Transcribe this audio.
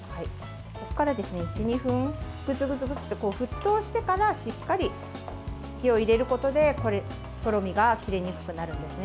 ここから１２分グツグツグツと沸騰してからしっかり火を入れることでとろみがきれにくくなるんですね。